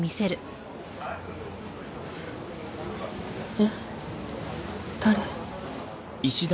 えっ？誰？